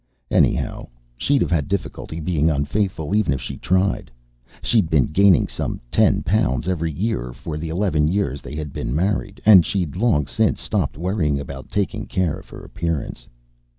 Anyhow, she'd have had difficulty being unfaithful, even if she tried. She'd been gaining some ten pounds every year for the eleven years they had been married, and she'd long since stopped worrying about taking care of her appearance.